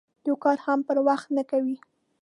یو کار هم پر وخت نه کوي.